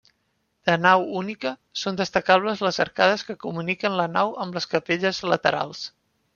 De nau única, són destacables les arcades que comuniquen la nau amb les capelles laterals.